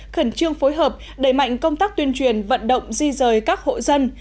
khẩn trương phối hợp đẩy mạnh công tác tuyên truyền vận động di rời các hộ dân